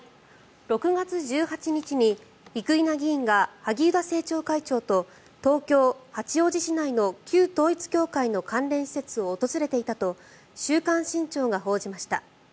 ６月１８日に生稲議員が萩生田政調会長と東京・八王子市内の旧統一教会の関連施設を訪れていたと「週刊新潮」が報じました。